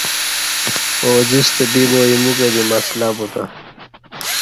اوجِستہ بِیبا اِیمو کہ دی مسلہ بُوتہ